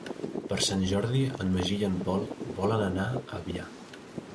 Per Sant Jordi en Magí i en Pol volen anar a Avià.